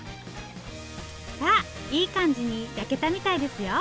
さあいい感じに焼けたみたいですよ。